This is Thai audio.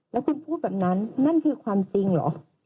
แล้วคุณพูดแบบนั้นนั่นคือความจริงเหรอ